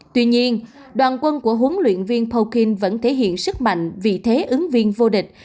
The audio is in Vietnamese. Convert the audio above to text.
tuy nhiên đoàn quân của huấn luyện viên pokin vẫn thể hiện sức mạnh vị thế ứng viên vô địch